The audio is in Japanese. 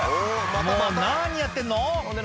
もう何やってんの？